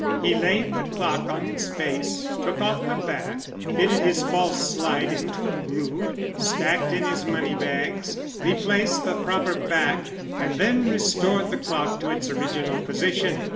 "He laid the clock on its face, took off the back, fitted his false slide into a groove, stacked in his money bags, replaced the proper back, and then restored the clock to its original position.